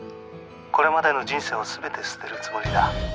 「これまでの人生をすべて捨てるつもりだ」